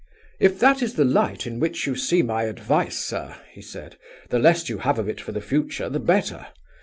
"'If that is the light in which you see my advice, sir,' he said, 'the less you have of it for the future, the better.